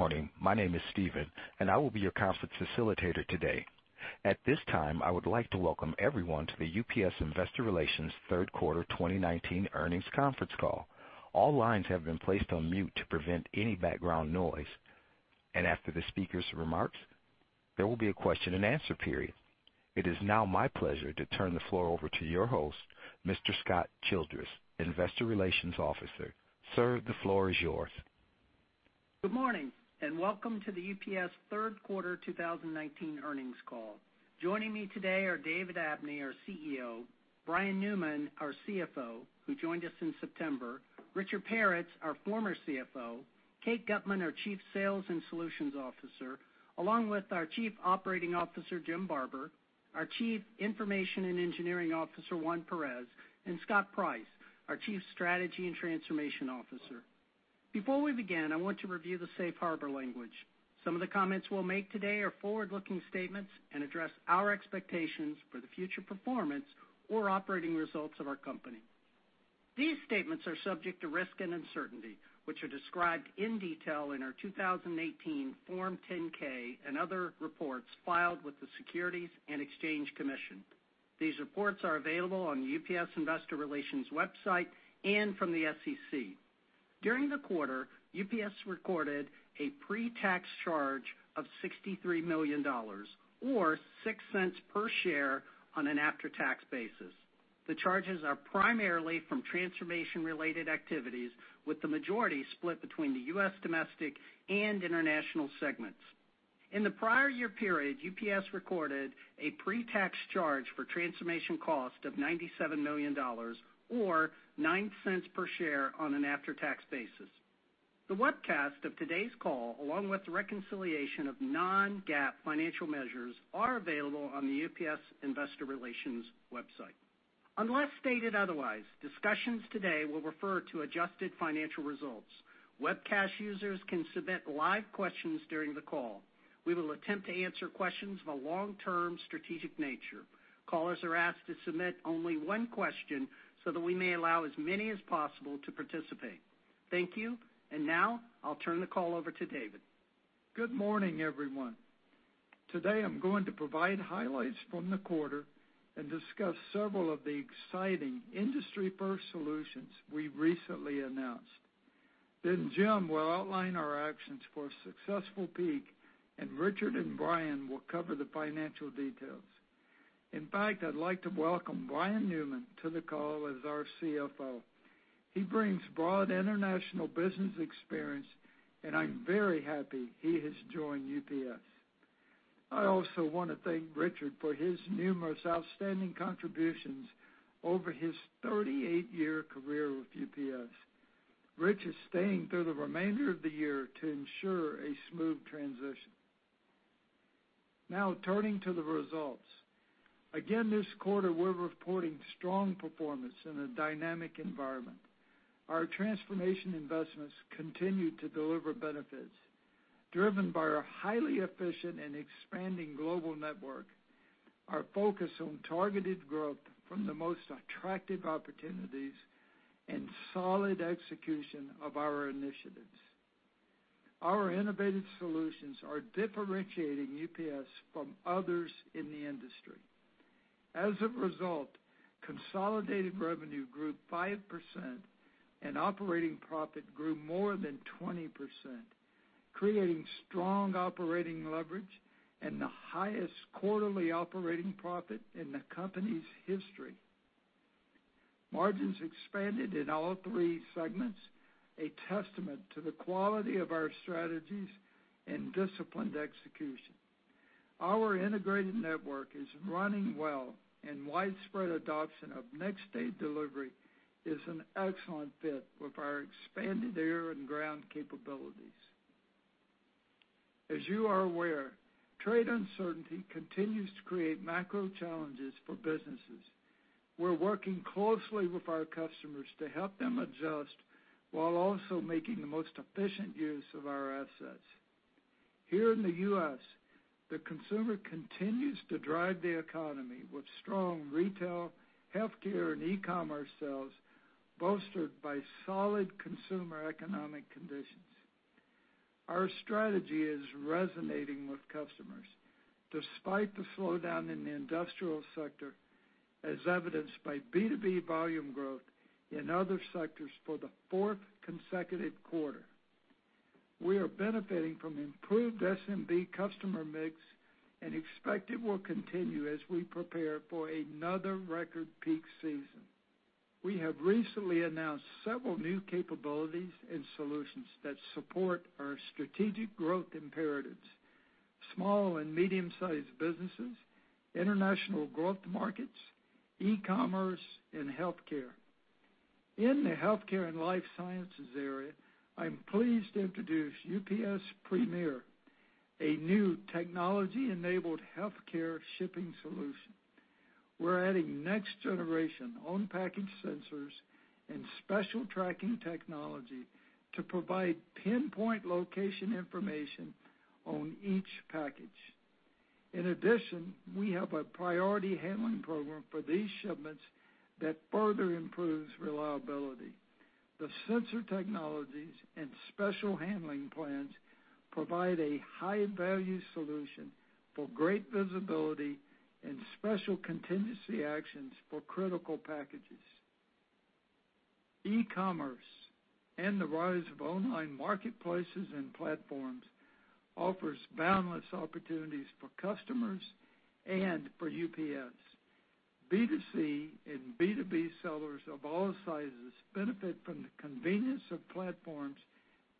Morning. My name is Steven. I will be your conference facilitator today. At this time, I would like to welcome everyone to the UPS Investor Relations third quarter 2019 earnings conference call. All lines have been placed on mute to prevent any background noise. After the speaker's remarks, there will be a question and answer period. It is now my pleasure to turn the floor over to your host, Mr. Scott Childress, Investor Relations Officer. Sir, the floor is yours. Good morning, and welcome to the UPS third quarter 2019 earnings call. Joining me today are David Abney, our CEO, Brian Newman, our CFO, who joined us in September, Richard Peretz, our former CFO, Kate Gutmann, our Chief Sales and Solutions Officer, along with our Chief Operating Officer, Jim Barber, our Chief Information and Engineering Officer, Juan Perez, and Scott Price, our Chief Strategy and Transformation Officer. Before we begin, I want to review the safe harbor language. Some of the comments we'll make today are forward-looking statements and address our expectations for the future performance or operating results of our company. These statements are subject to risk and uncertainty, which are described in detail in our 2018 Form 10-K and other reports filed with the Securities and Exchange Commission. These reports are available on the UPS Investor Relations website and from the SEC. During the quarter, UPS recorded a pre-tax charge of $63 million, or $0.06 per share on an after-tax basis. The charges are primarily from transformation-related activities, with the majority split between the U.S. domestic and international segments. In the prior year period, UPS recorded a pre-tax charge for transformation cost of $97 million or $0.09 per share on an after-tax basis. The webcast of today's call, along with the reconciliation of non-GAAP financial measures, are available on the UPS Investor Relations website. Unless stated otherwise, discussions today will refer to adjusted financial results. Webcast users can submit live questions during the call. We will attempt to answer questions of a long-term strategic nature. Callers are asked to submit only one question so that we may allow as many as possible to participate. Thank you. Now I'll turn the call over to David. Good morning, everyone. Today, I'm going to provide highlights from the quarter and discuss several of the exciting industry-first solutions we recently announced. Jim will outline our actions for a successful peak, and Richard and Brian will cover the financial details. In fact, I'd like to welcome Brian Newman to the call as our CFO. He brings broad international business experience, and I'm very happy he has joined UPS. I also want to thank Richard for his numerous outstanding contributions over his 38-year career with UPS. Rich is staying through the remainder of the year to ensure a smooth transition. Now turning to the results. Again, this quarter, we're reporting strong performance in a dynamic environment. Our transformation investments continue to deliver benefits driven by our highly efficient and expanding global network, our focus on targeted growth from the most attractive opportunities, and solid execution of our initiatives. Our innovative solutions are differentiating UPS from others in the industry. As a result, consolidated revenue grew 5% and operating profit grew more than 20%, creating strong operating leverage and the highest quarterly operating profit in the company's history. Margins expanded in all three segments, a testament to the quality of our strategies and disciplined execution. Our integrated network is running well, and widespread adoption of next-day delivery is an excellent fit with our expanded air and ground capabilities. As you are aware, trade uncertainty continues to create macro challenges for businesses. We're working closely with our customers to help them adjust while also making the most efficient use of our assets. Here in the U.S., the consumer continues to drive the economy with strong retail, healthcare, and e-commerce sales bolstered by solid consumer economic conditions. Our strategy is resonating with customers despite the slowdown in the industrial sector, as evidenced by B2B volume growth in other sectors for the fourth consecutive quarter. We are benefiting from improved SMB customer mix and expect it will continue as we prepare for another record peak season. We have recently announced several new capabilities and solutions that support our strategic growth imperatives: small and medium-sized businesses, international growth markets, e-commerce, and healthcare. In the healthcare and life sciences area, I'm pleased to introduce UPS Premier, a new technology-enabled healthcare shipping solution. We're adding next-generation on-package sensors and special tracking technology to provide pinpoint location information on each package. In addition, we have a priority handling program for these shipments that further improves reliability. The sensor technologies and special handling plans provide a high-value solution for great visibility and special contingency actions for critical packages. E-commerce and the rise of online marketplaces and platforms offers boundless opportunities for customers and for UPS. B2C and B2B sellers of all sizes benefit from the convenience of platforms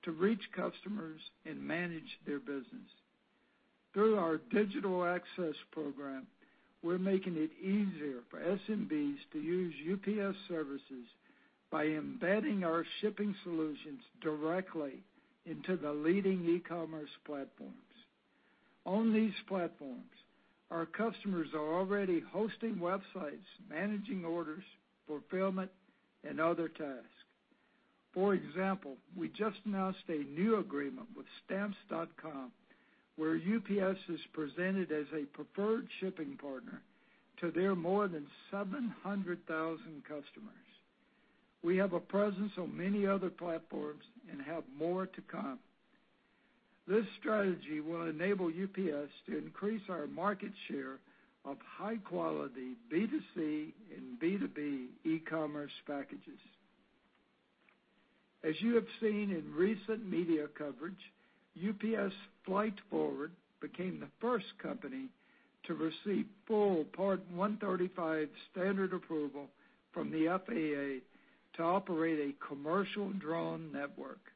to reach customers and manage their business. Through our Digital Access Program, we're making it easier for SMBs to use UPS services by embedding our shipping solutions directly into the leading e-commerce platforms. On these platforms, our customers are already hosting websites, managing orders, fulfillment, and other tasks. For example, we just announced a new agreement with Stamps.com, where UPS is presented as a preferred shipping partner to their more than 700,000 customers. We have a presence on many other platforms and have more to come. This strategy will enable UPS to increase our market share of high-quality B2C and B2B e-commerce packages. As you have seen in recent media coverage, UPS Flight Forward became the first company to receive full Part 135 standard approval from the FAA to operate a commercial drone network.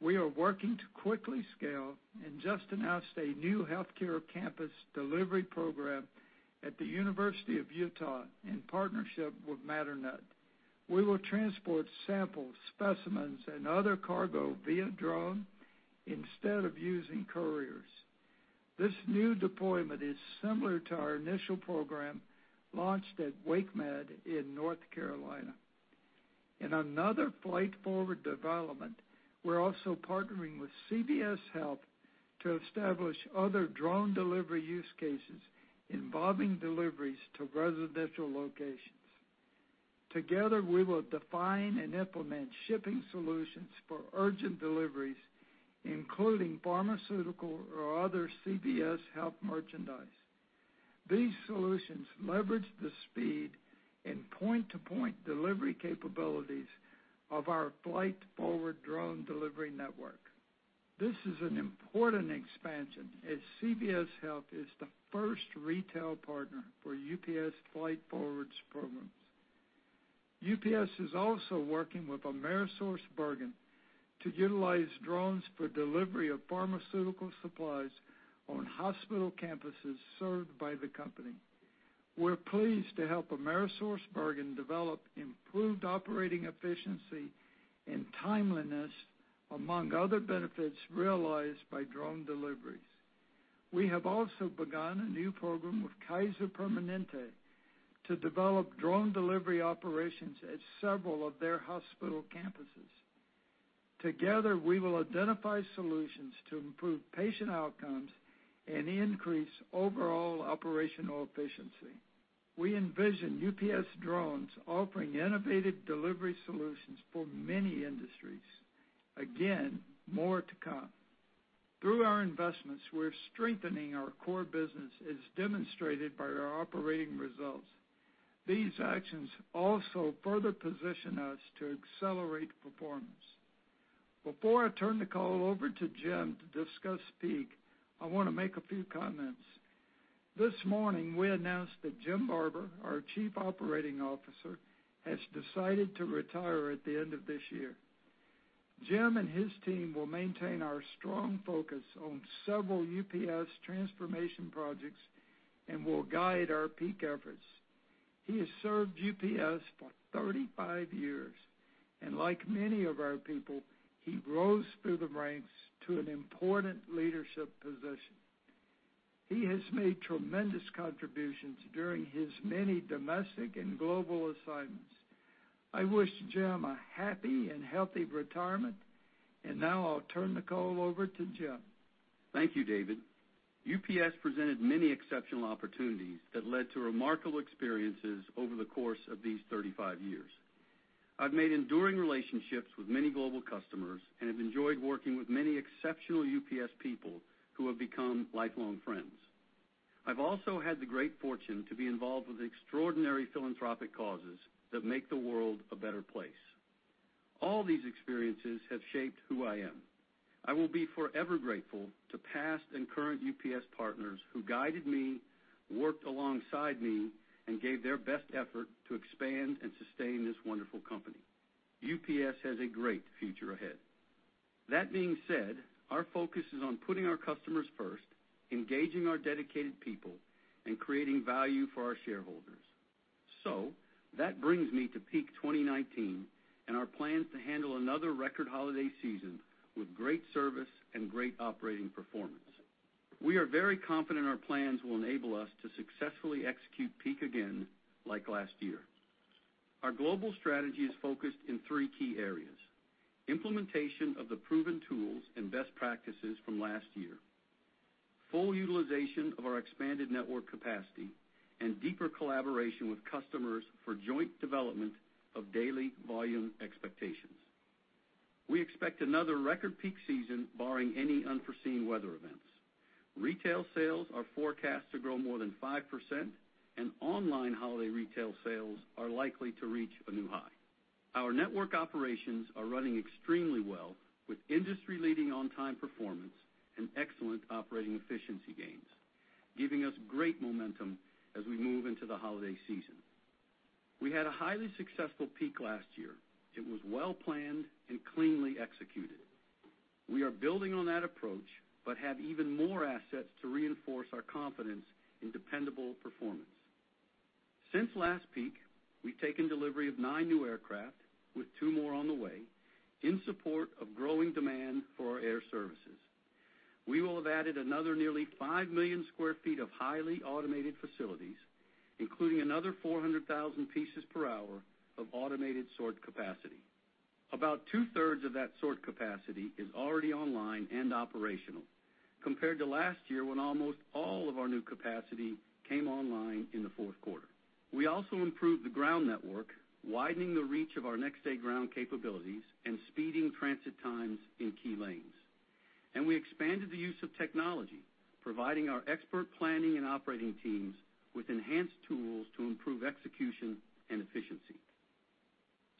We are working to quickly scale and just announced a new healthcare campus delivery program at the University of Utah in partnership with Matternet. We will transport samples, specimens, and other cargo via drone instead of using couriers. This new deployment is similar to our initial program launched at WakeMed in North Carolina. In another Flight Forward development, we are also partnering with CVS Health to establish other drone delivery use cases involving deliveries to residential locations. Together, we will define and implement shipping solutions for urgent deliveries, including pharmaceutical or other CVS Health merchandise. These solutions leverage the speed and point-to-point delivery capabilities of our Flight Forward drone delivery network. This is an important expansion, as CVS Health is the first retail partner for UPS Flight Forward's programs. UPS is also working with AmerisourceBergen to utilize drones for delivery of pharmaceutical supplies on hospital campuses served by the company. We're pleased to help AmerisourceBergen develop improved operating efficiency and timeliness, among other benefits realized by drone deliveries. We have also begun a new program with Kaiser Permanente to develop drone delivery operations at several of their hospital campuses. Together, we will identify solutions to improve patient outcomes and increase overall operational efficiency. We envision UPS drones offering innovative delivery solutions for many industries. Again, more to come. Through our investments, we're strengthening our core business as demonstrated by our operating results. These actions also further position us to accelerate performance. Before I turn the call over to Jim to discuss peak, I want to make a few comments. This morning, we announced that Jim Barber, our Chief Operating Officer, has decided to retire at the end of this year. Jim and his team will maintain our strong focus on several UPS transformation projects and will guide our peak efforts. He has served UPS for 35 years. Like many of our people, he rose through the ranks to an important leadership position. He has made tremendous contributions during his many domestic and global assignments. I wish Jim a happy and healthy retirement. Now I'll turn the call over to Jim. Thank you, David. UPS presented many exceptional opportunities that led to remarkable experiences over the course of these 35 years. I've made enduring relationships with many global customers and have enjoyed working with many exceptional UPS people who have become lifelong friends. I've also had the great fortune to be involved with extraordinary philanthropic causes that make the world a better place. All these experiences have shaped who I am. I will be forever grateful to past and current UPS partners who guided me, worked alongside me, and gave their best effort to expand and sustain this wonderful company. UPS has a great future ahead. That being said, our focus is on putting our customers first, engaging our dedicated people, and creating value for our shareholders. That brings me to peak 2019 and our plans to handle another record holiday season with great service and great operating performance. We are very confident our plans will enable us to successfully execute peak again like last year. Our global strategy is focused in 3 key areas: implementation of the proven tools and best practices from last year, full utilization of our expanded network capacity, and deeper collaboration with customers for joint development of daily volume expectations. We expect another record peak season barring any unforeseen weather events. Retail sales are forecast to grow more than 5% and online holiday retail sales are likely to reach a new high. Our network operations are running extremely well with industry-leading on-time performance and excellent operating efficiency gains, giving us great momentum as we move into the holiday season. We had a highly successful peak last year. It was well-planned and cleanly executed. We are building on that approach, but have even more assets to reinforce our confidence in dependable performance. Since last peak, we've taken delivery of nine new aircraft, with two more on the way, in support of growing demand for our air services. We will have added another nearly five million sq ft of highly automated facilities, including another 400,000 pieces per hour of automated sort capacity. About two-thirds of that sort capacity is already online and operational, compared to last year when almost all of our new capacity came online in the fourth quarter. We also improved the ground network, widening the reach of our Next Day Ground capabilities and speeding transit times in key lanes. We expanded the use of technology, providing our expert planning and operating teams with enhanced tools to improve execution and efficiency.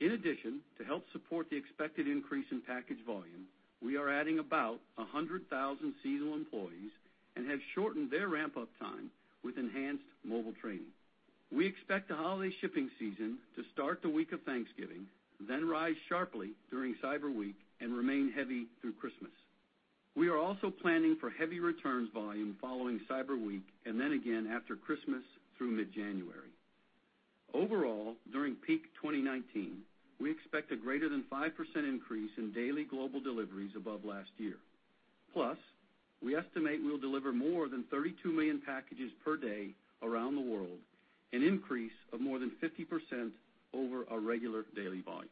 In addition, to help support the expected increase in package volume, we are adding about 100,000 seasonal employees and have shortened their ramp-up time with enhanced mobile training. We expect the holiday shipping season to start the week of Thanksgiving, then rise sharply during Cyber Week and remain heavy through Christmas. We are also planning for heavy returns volume following Cyber Week and then again after Christmas through mid-January. Overall, during peak 2019, we expect a greater than 5% increase in daily global deliveries above last year. Plus, we estimate we'll deliver more than 32 million packages per day around the world, an increase of more than 50% over our regular daily volume.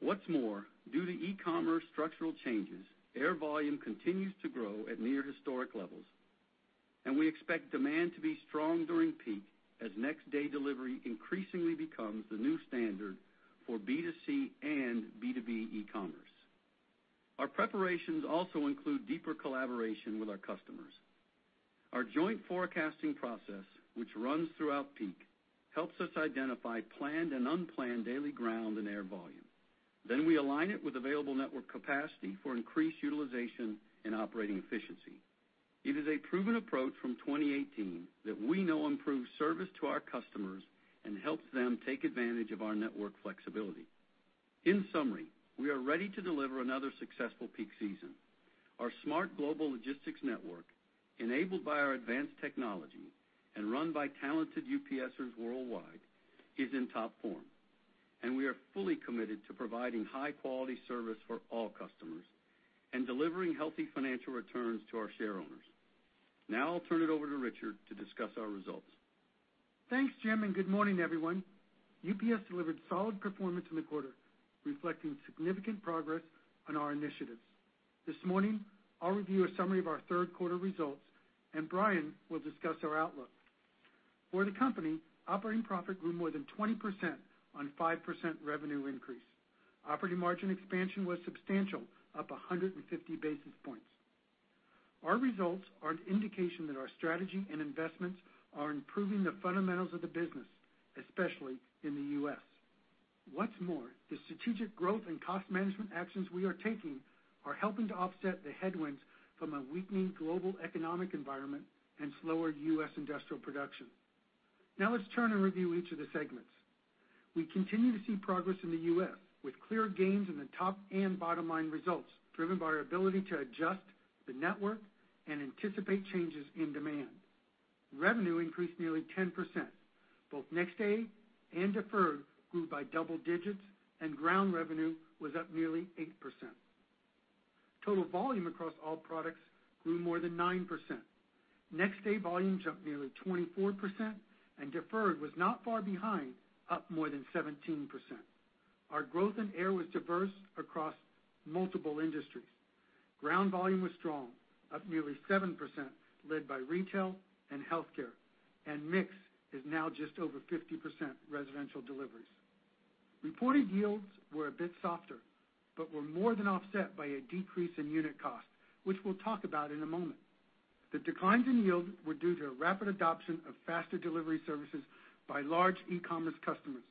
What's more, due to e-commerce structural changes, air volume continues to grow at near historic levels, and we expect demand to be strong during peak as next-day delivery increasingly becomes the new standard for B2C and B2B e-commerce. Our preparations also include deeper collaboration with our customers. Our joint forecasting process, which runs throughout peak, helps us identify planned and unplanned daily ground and air volume. We align it with available network capacity for increased utilization and operating efficiency. It is a proven approach from 2018 that we know improves service to our customers and helps them take advantage of our network flexibility. In summary, we are ready to deliver another successful peak season. Our smart global logistics network, enabled by our advanced technology and run by talented UPSers worldwide, is in top form, and we are fully committed to providing high-quality service for all customers and delivering healthy financial returns to our share owners. I'll turn it over to Richard to discuss our results. Thanks, Jim. Good morning, everyone. UPS delivered solid performance in the quarter, reflecting significant progress on our initiatives. This morning, I'll review a summary of our third quarter results. Brian will discuss our outlook. For the company, operating profit grew more than 20% on 5% revenue increase. Operating margin expansion was substantial, up 150 basis points. Our results are an indication that our strategy and investments are improving the fundamentals of the business, especially in the U.S. What's more, the strategic growth and cost management actions we are taking are helping to offset the headwinds from a weakening global economic environment and slower U.S. industrial production. Let's turn and review each of the segments. We continue to see progress in the U.S., with clear gains in the top and bottom line results, driven by our ability to adjust the network and anticipate changes in demand. Revenue increased nearly 10%. Both Next Day and Deferred grew by double digits, and Ground revenue was up nearly 8%. Total volume across all products grew more than 9%. Next Day volume jumped nearly 24%, and Deferred was not far behind, up more than 17%. Our growth in air was diverse across multiple industries. Ground volume was strong, up nearly 7%, led by retail and healthcare, and mix is now just over 50% residential deliveries. Reported yields were a bit softer, but were more than offset by a decrease in unit cost, which we'll talk about in a moment. The declines in yield were due to a rapid adoption of faster delivery services by large e-commerce customers,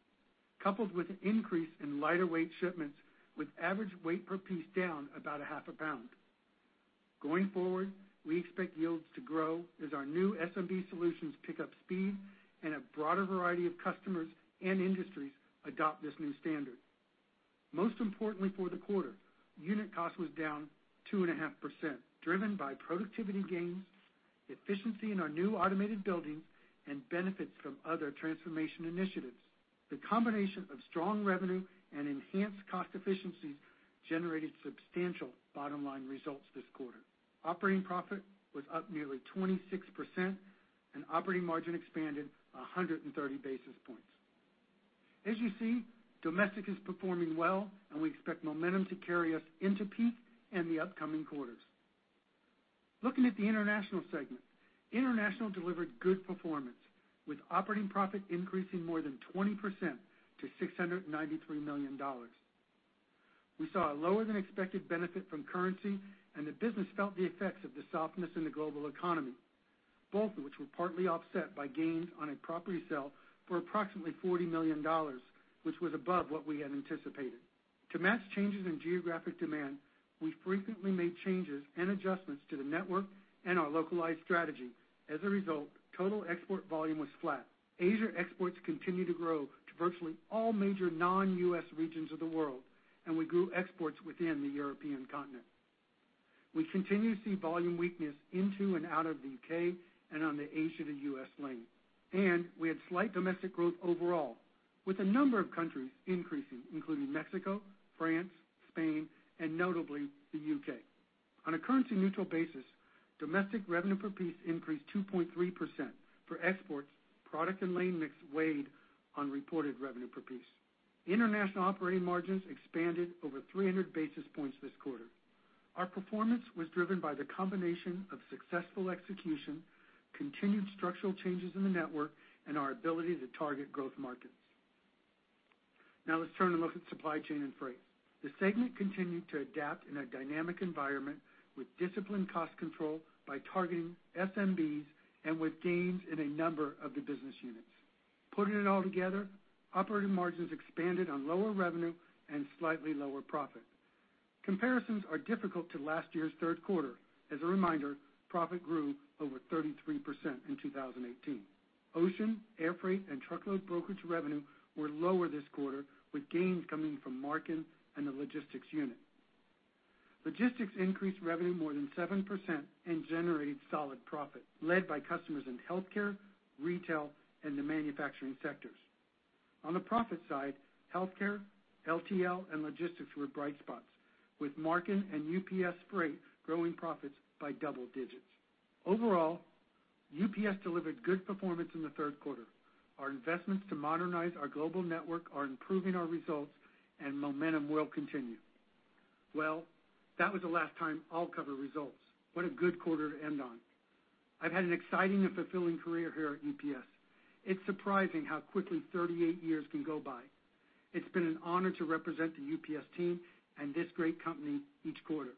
coupled with an increase in lighter weight shipments with average weight per piece down about a half a pound. Going forward, we expect yields to grow as our new SMB solutions pick up speed and a broader variety of customers and industries adopt this new standard. Most importantly for the quarter, unit cost was down 2.5%, driven by productivity gains, efficiency in our new automated buildings, and benefits from other transformation initiatives. The combination of strong revenue and enhanced cost efficiencies generated substantial bottom-line results this quarter. Operating profit was up nearly 26%. Operating margin expanded 130 basis points. As you see, domestic is performing well, and we expect momentum to carry us into peak in the upcoming quarters. Looking at the international segment, international delivered good performance, with operating profit increasing more than 20% to $693 million. We saw a lower than expected benefit from currency, and the business felt the effects of the softness in the global economy, both of which were partly offset by gains on a property sale for approximately $40 million, which was above what we had anticipated. To match changes in geographic demand, we frequently made changes and adjustments to the network and our localized strategy. As a result, total export volume was flat. Asia exports continue to grow to virtually all major non-U.S. regions of the world, and we grew exports within the European continent. We continue to see volume weakness into and out of the U.K. and on the Asia to U.S. lane. We had slight domestic growth overall, with a number of countries increasing, including Mexico, France, Spain, and notably the U.K. On a currency neutral basis, domestic revenue per piece increased 2.3%. For exports, product and lane mix weighed on reported revenue per piece. International operating margins expanded over 300 basis points this quarter. Our performance was driven by the combination of successful execution, continued structural changes in the network, and our ability to target growth markets. Now let's turn and look at Supply Chain and Freight. The segment continued to adapt in a dynamic environment with disciplined cost control by targeting SMBs and with gains in a number of the business units. Putting it all together, operating margins expanded on lower revenue and slightly lower profit. Comparisons are difficult to last year's third quarter. As a reminder, profit grew over 33% in 2018. Ocean, air freight, and truckload brokerage revenue were lower this quarter, with gains coming from Marken and the logistics unit. Logistics increased revenue more than 7% and generated solid profit, led by customers in healthcare, retail, and the manufacturing sectors. On the profit side, healthcare, LTL, and logistics were bright spots, with Marken and UPS Freight growing profits by double digits. Overall, UPS delivered good performance in the third quarter. Our investments to modernize our global network are improving our results and momentum will continue. That was the last time I'll cover results. What a good quarter to end on. I've had an exciting and fulfilling career here at UPS. It's surprising how quickly 38 years can go by. It's been an honor to represent the UPS team and this great company each quarter.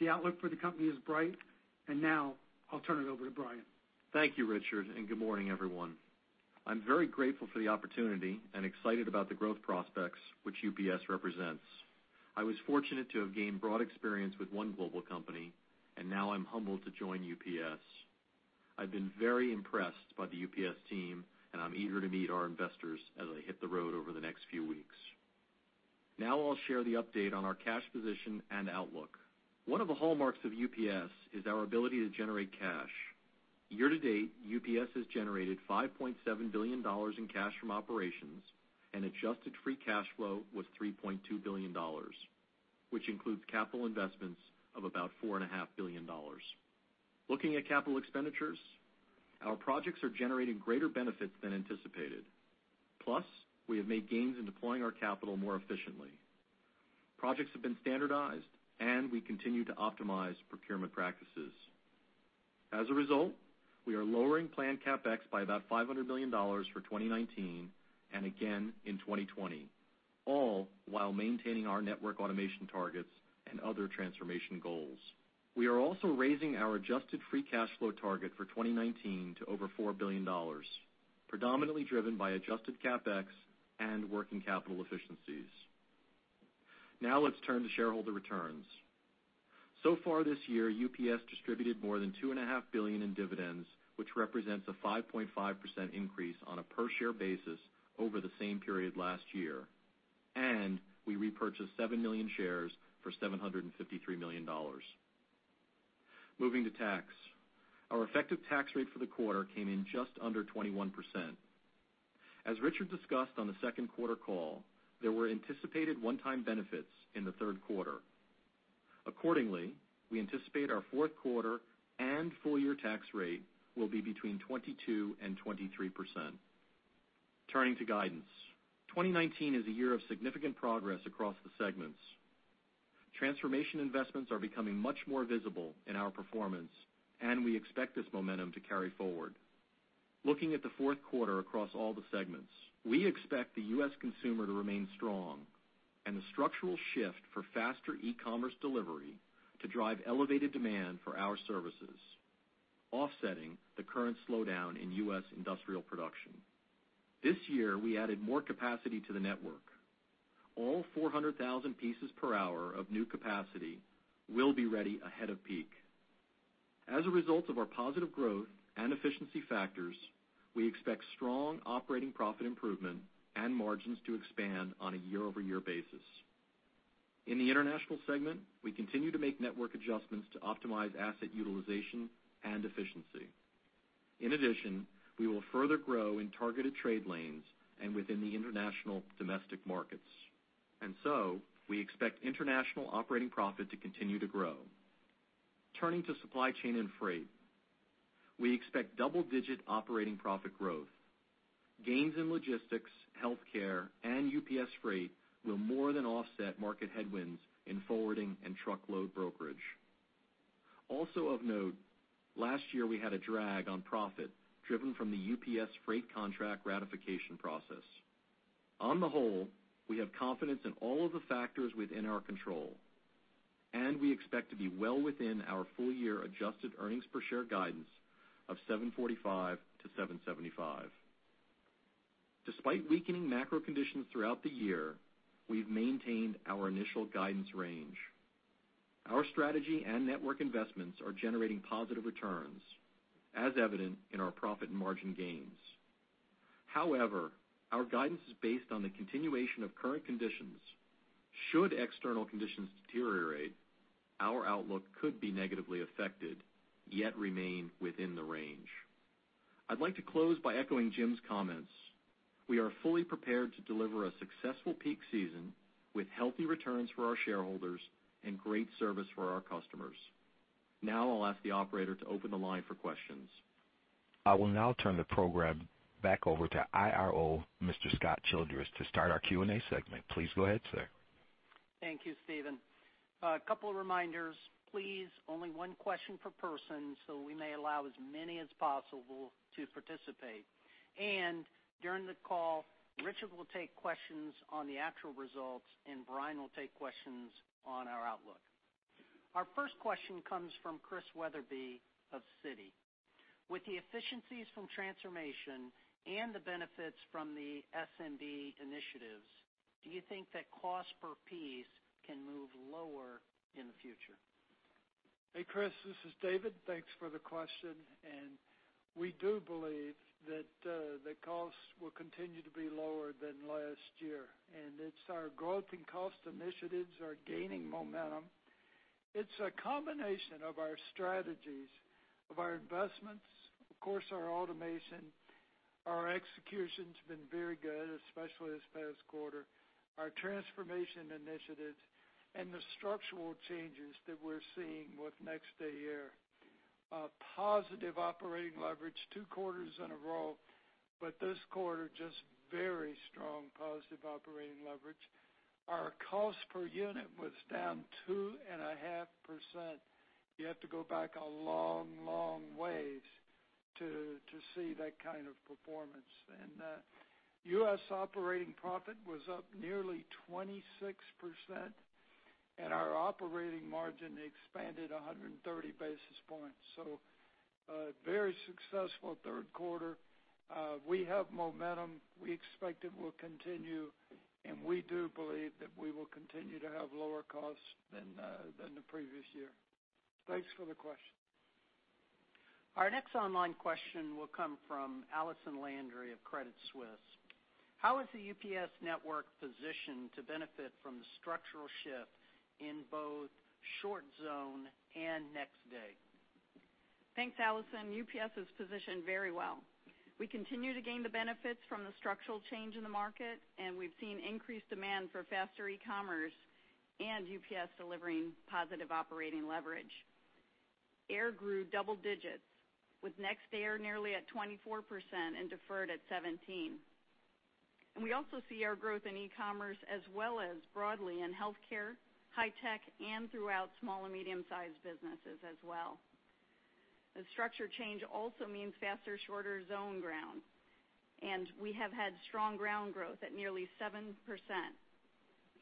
The outlook for the company is bright, and now I'll turn it over to Brian. Thank you, Richard. Good morning, everyone. I'm very grateful for the opportunity and excited about the growth prospects which UPS represents. I was fortunate to have gained broad experience with one global company, and now I'm humbled to join UPS. I've been very impressed by the UPS team, and I'm eager to meet our investors as I hit the road over the next few weeks. Now I'll share the update on our cash position and outlook. One of the hallmarks of UPS is our ability to generate cash. Year to date, UPS has generated $5.7 billion in cash from operations, and adjusted free cash flow was $3.2 billion, which includes capital investments of about $4.5 billion. Looking at capital expenditures, our projects are generating greater benefits than anticipated. We have made gains in deploying our capital more efficiently. Projects have been standardized. We continue to optimize procurement practices. As a result, we are lowering planned CapEx by about $500 million for 2019 and again in 2020, all while maintaining our network automation targets and other transformation goals. We are also raising our adjusted free cash flow target for 2019 to over $4 billion, predominantly driven by adjusted CapEx and working capital efficiencies. Let's turn to shareholder returns. So far this year, UPS distributed more than $2.5 billion in dividends, which represents a 5.5% increase on a per share basis over the same period last year, and we repurchased 7 million shares for $753 million. Moving to tax. Our effective tax rate for the quarter came in just under 21%. As Richard discussed on the second quarter call, there were anticipated one-time benefits in the third quarter. Accordingly, we anticipate our fourth quarter and full year tax rate will be between 22% and 23%. Turning to guidance. 2019 is a year of significant progress across the segments. Transformation investments are becoming much more visible in our performance, and we expect this momentum to carry forward. Looking at the fourth quarter across all the segments, we expect the U.S. consumer to remain strong and the structural shift for faster e-commerce delivery to drive elevated demand for our services, offsetting the current slowdown in U.S. industrial production. This year, we added more capacity to the network. All 400,000 pieces per hour of new capacity will be ready ahead of peak. As a result of our positive growth and efficiency factors, we expect strong operating profit improvement and margins to expand on a year-over-year basis. In the international segment, we continue to make network adjustments to optimize asset utilization and efficiency. In addition, we will further grow in targeted trade lanes and within the international domestic markets. We expect international operating profit to continue to grow. Turning to supply chain and freight, we expect double-digit operating profit growth. Gains in logistics, healthcare, and UPS Freight will more than offset market headwinds in forwarding and truckload brokerage. Of note, last year we had a drag on profit driven from the UPS Freight contract ratification process. On the whole, we have confidence in all of the factors within our control, and we expect to be well within our full-year adjusted earnings per share guidance of $7.45-$7.75. Despite weakening macro conditions throughout the year, we've maintained our initial guidance range. Our strategy and network investments are generating positive returns, as evident in our profit margin gains. Our guidance is based on the continuation of current conditions. Should external conditions deteriorate, our outlook could be negatively affected, yet remain within the range. I'd like to close by echoing Jim's comments. We are fully prepared to deliver a successful peak season with healthy returns for our shareholders and great service for our customers. I'll ask the operator to open the line for questions. I will now turn the program back over to IRO, Mr. Scott Childress, to start our Q&A segment. Please go ahead, sir. Thank you, Steven. A couple of reminders, please, only one question per person, so we may allow as many as possible to participate. During the call, Richard will take questions on the actual results, and Brian will take questions on our outlook. Our first question comes from Chris Wetherbee of Citi. With the efficiencies from transformation and the benefits from the SMB initiatives, do you think that cost per piece can move lower in the future? Hey, Chris, this is David. Thanks for the question. We do believe that the costs will continue to be lower than last year. It's our growth in cost initiatives are gaining momentum. It's a combination of our strategies, of our investments, of course, our automation. Our execution's been very good, especially this past quarter, our transformation initiatives and the structural changes that we're seeing with Next Day Air. Positive operating leverage two quarters in a row, this quarter, just very strong positive operating leverage. Our cost per unit was down 2.5%. You have to go back a long ways to see that kind of performance. U.S. operating profit was up nearly 26%, our operating margin expanded 130 basis points. A very successful third quarter. We have momentum. We expect it will continue. We do believe that we will continue to have lower costs than the previous year. Thanks for the question. Our next online question will come from Allison Landry of Credit Suisse. How is the UPS network positioned to benefit from the structural shift in both short zone and next day? Thanks, Allison. UPS is positioned very well. We continue to gain the benefits from the structural change in the market, and we've seen increased demand for faster e-commerce and UPS delivering positive operating leverage. Air grew double digits, with Next Air nearly at 24% and deferred at 17%. We also see our growth in e-commerce as well as broadly in healthcare, high tech, and throughout small and medium-sized businesses as well. The structure change also means faster, shorter zone ground, and we have had strong ground growth at nearly 7%,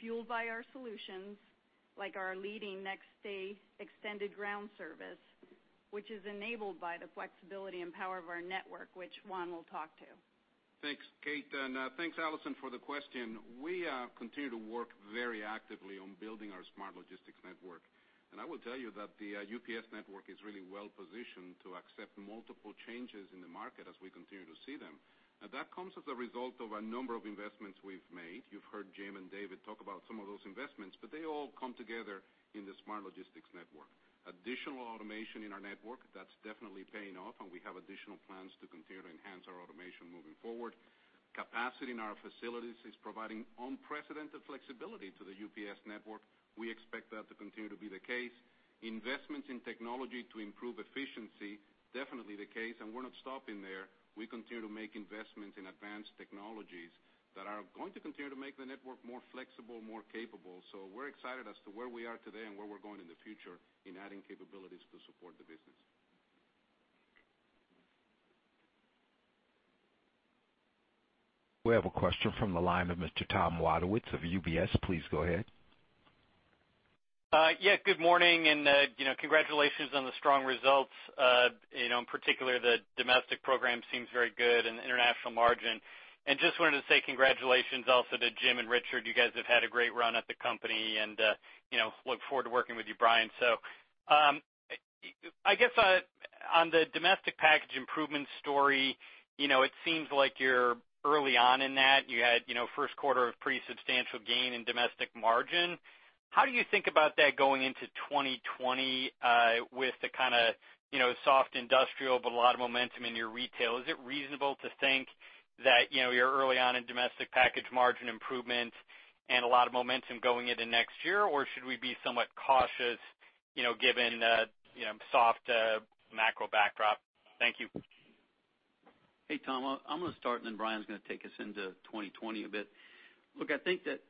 fueled by our solutions like our leading Next Day Extended Ground service, which is enabled by the flexibility and power of our network, which Juan will talk to. Thanks, Kate, and thanks, Allison, for the question. We continue to work very actively on building our smart logistics network. I will tell you that the UPS network is really well positioned to accept multiple changes in the market as we continue to see them. That comes as a result of a number of investments we've made. You've heard Jim and David talk about some of those investments, but they all come together in the smart logistics network. Additional automation in our network, that's definitely paying off, and we have additional plans to continue to enhance our automation moving forward. Capacity in our facilities is providing unprecedented flexibility to the UPS network. We expect that to continue to be the case. Investments in technology to improve efficiency, definitely the case, and we're not stopping there. We continue to make investments in advanced technologies that are going to continue to make the network more flexible, more capable. We're excited as to where we are today and where we're going in the future in adding capabilities to support the business. We have a question from the line of Mr. Tom Wadewitz of UBS. Please go ahead. Yes, good morning and congratulations on the strong results. In particular, the domestic program seems very good and international margin. Just wanted to say congratulations also to Jim and Richard. You guys have had a great run at the company and look forward to working with you, Brian. I guess on the domestic package improvement story, it seems like you're early on in that. You had first quarter of pretty substantial gain in domestic margin. How do you think about that going into 2020 with the kind of soft industrial, but a lot of momentum in your retail? Is it reasonable to think that you're early on in domestic package margin improvement and a lot of momentum going into next year, or should we be somewhat cautious, given soft macro backdrop? Thank you. Hey, Tom. I'm going to start, and then Brian's going to take us into 2020 a bit. Look, I think that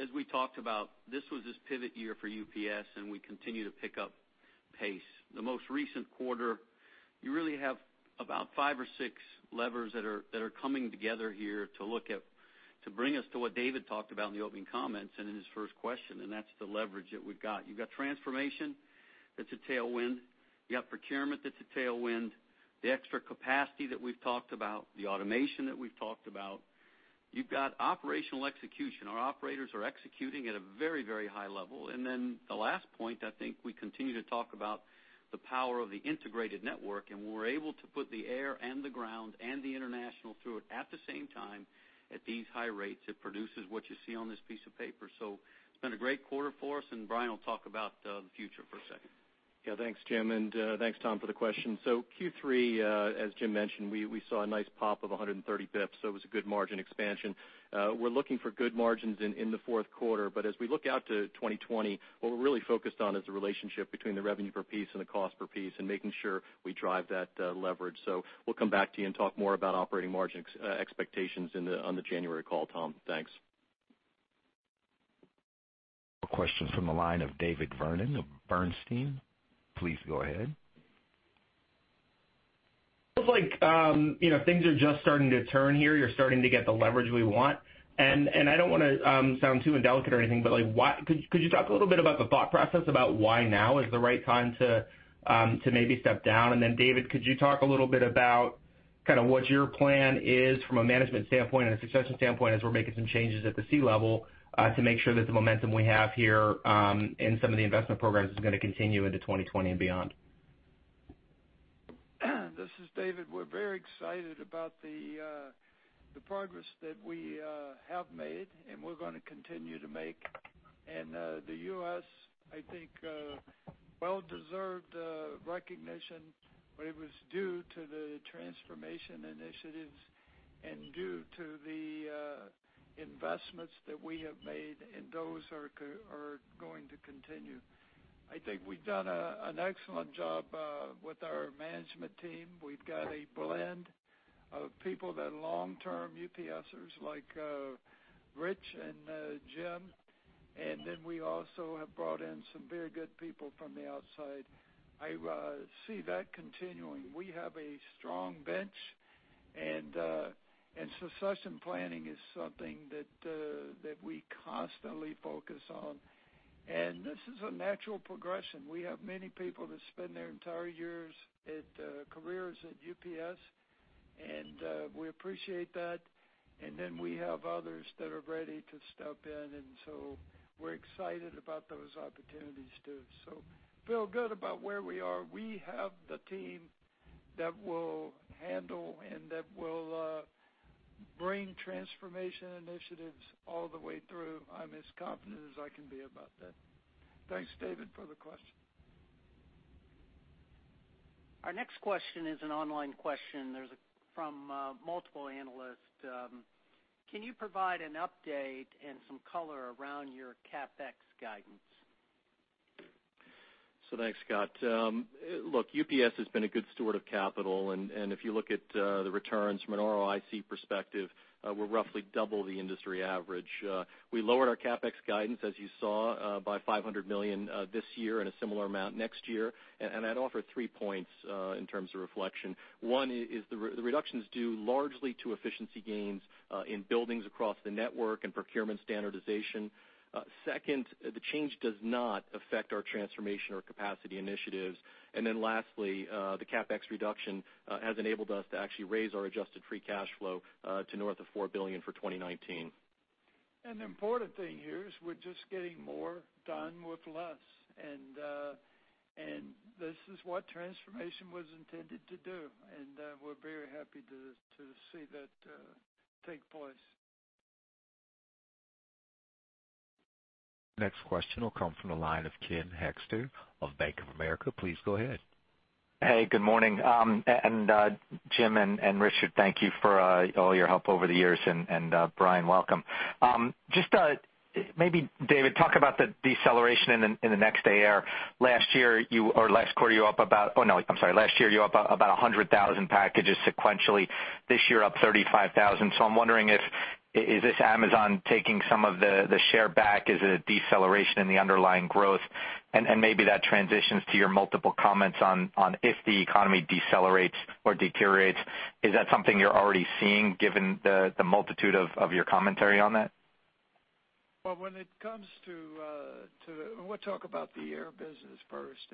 as we talked about, this was this pivot year for UPS, and we continue to pick up pace. The most recent quarter, you really have about five or six levers that are coming together here to look at, to bring us to what David talked about in the opening comments and in his first question, and that's the leverage that we've got. You've got transformation, that's a tailwind. You've got procurement, that's a tailwind. The extra capacity that we've talked about, the automation that we've talked about. You've got operational execution. Our operators are executing at a very high level. The last point, I think we continue to talk about the power of the integrated network, and we're able to put the air and the ground and the international through it at the same time, at these high rates. It produces what you see on this piece of paper. It's been a great quarter for us, and Brian will talk about the future for a second. Yeah. Thanks, Jim, and thanks, Tom, for the question. Q3, as Jim mentioned, we saw a nice pop of 130 basis points, so it was a good margin expansion. We're looking for good margins in the fourth quarter. As we look out to 2020, what we're really focused on is the relationship between the revenue per piece and the cost per piece and making sure we drive that leverage. We'll come back to you and talk more about operating margin expectations on the January call, Tom. Thanks. A question from the line of David Vernon of Bernstein. Please go ahead. It looks like things are just starting to turn here. You're starting to get the leverage we want. I don't want to sound too indelicate or anything, but could you talk a little bit about the thought process about why now is the right time to maybe step down? David, could you talk a little bit about what your plan is from a management standpoint and a succession standpoint as we're making some changes at the C-level, to make sure that the momentum we have here in some of the investment programs is going to continue into 2020 and beyond? This is David. We're very excited about the progress that we have made and we're going to continue to make. The U.S., I think, well-deserved recognition, but it was due to the transformation initiatives and due to the investments that we have made, and those are going to continue. I think we've done an excellent job with our management team. We've got a blend of people that are long-term UPSers like Rich and Jim, and then we also have brought in some very good people from the outside. I see that continuing. We have a strong bench, and succession planning is something that we constantly focus on. This is a natural progression. We have many people that spend their entire years at careers at UPS, and we appreciate that. We have others that are ready to step in, we're excited about those opportunities, too. Feel good about where we are. We have the team that will handle and that will bring transformation initiatives all the way through. I'm as confident as I can be about that. Thanks, David, for the question. Our next question is an online question. There's from multiple analysts. Can you provide an update and some color around your CapEx guidance? Thanks, Scott. Look, UPS has been a good steward of capital, and if you look at the returns from an ROIC perspective, we're roughly double the industry average. We lowered our CapEx guidance, as you saw, by $500 million this year and a similar amount next year. I'd offer three points in terms of reflection. One is the reduction is due largely to efficiency gains in buildings across the network and procurement standardization. Second, the change does not affect our transformation or capacity initiatives. Lastly, the CapEx reduction has enabled us to actually raise our adjusted free cash flow to north of $4 billion for 2019. The important thing here is we're just getting more done with less. This is what transformation was intended to do, and we're very happy to see that take place. Next question will come from the line of Ken Hoexter of Bank of America. Please go ahead. Hey, good morning. Jim and Richard, thank you for all your help over the years. Brian, welcome. Just maybe David, talk about the deceleration in the Next Day Air. Last year you were up about 100,000 packages sequentially. This year, up 35,000. I'm wondering if, is this Amazon taking some of the share back? Is it a deceleration in the underlying growth? Maybe that transitions to your multiple comments on if the economy decelerates or deteriorates. Is that something you're already seeing given the multitude of your commentary on that? Well, when it comes to-- We'll talk about the air business first.